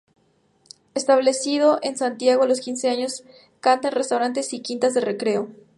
Establecido en Santiago, a los quince años, canta en restaurantes y quintas de recreo.